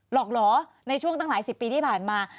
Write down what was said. หรอกเหรอในช่วงตั้งหลายสิบปีที่ผ่านมา